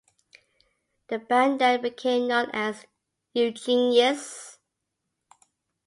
The band then became known as Eugenius.